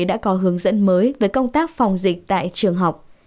đã có hướng dẫn mới về công tác phòng dịch tại trường học